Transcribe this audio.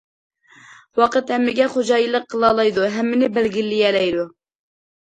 ۋاقىت ھەممىگە خوجايىنلىق قىلالايدۇ، ھەممىنى بەلگىلىيەلەيدۇ.